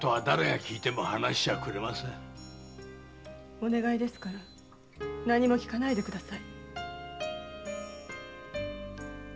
お願いですから何も聞かないで下さい。